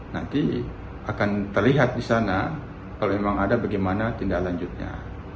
nanti akan terlihat di sana kalau memang ada bagaimana tindak lanjutnya